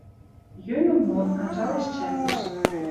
Йӧнӹм мон: анжалеш чӓсӹш.